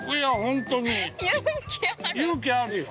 ◆勇気あるよ。